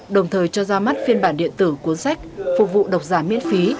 đồng thời cho ra mắt phiên bản điện tử cuốn sách phục vụ độc giả miễn phí